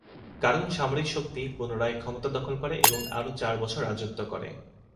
কারণ সামরিক শক্তি পুনরায় ক্ষমতা দখল করে এবং আরও চার বছর রাজত্ব করে।